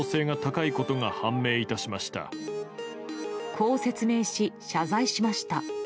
こう説明し、謝罪しました。